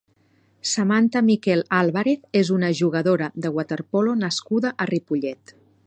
Samantha Miquel Álvarez és una jugadora de waterpolo nascuda a Ripollet.